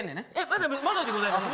まだまだでございます